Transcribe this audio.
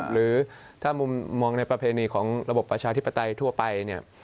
หรือถ้ามุมมองในประเพณีของระบบประชาธิปไตยทั่วไปเนี่ย